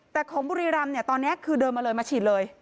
แต่ของบุรีรำเนี่ยตอนนี้คือเดินมาเลยมาฉีดเลย